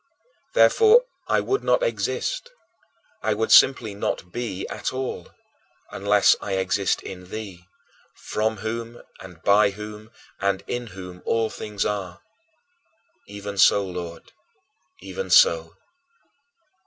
" Therefore I would not exist I would simply not be at all unless I exist in thee, from whom and by whom and in whom all things are. Even so, Lord; even so.